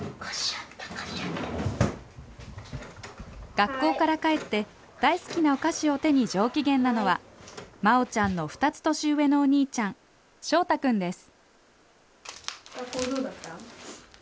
学校から帰って大好きなお菓子を手に上機嫌なのはまおちゃんの２つ年上のお兄ちゃんしょうたくんです。